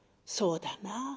「そうだな。